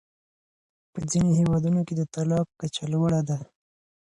په ځینو هېوادونو کې د طلاق کچه لوړه ده.